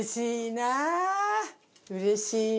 うれしいな。